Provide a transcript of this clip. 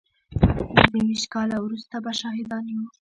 پينځه ويشت کاله وروسته به شاهدان يو.